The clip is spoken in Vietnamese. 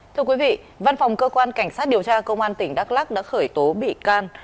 thưa quý vị văn phòng cơ quan cảnh sát điều tra công an tỉnh đắk lắc đã khởi tố bị can